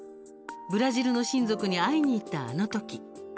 ブラジルの親族に会いに行ったあの時。